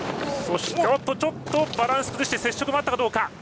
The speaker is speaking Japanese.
ちょっとバランスを崩して接触もあったかどうか。